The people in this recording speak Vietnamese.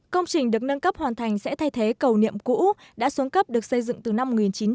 công trình được nâng cấp hoàn thành sẽ thay thế cầu niệm cũ đã xuống cấp được xây dựng từ năm một nghìn chín trăm chín mươi